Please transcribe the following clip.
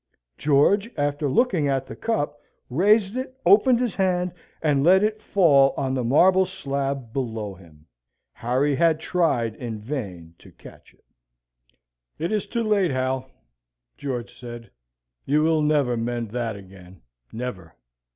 George, after looking at the cup, raised it, opened his hand, and let it fall on the marble slab below him. Harry had tried in vain to catch it. "It is too late, Hal," George said. "You will never mend that again never.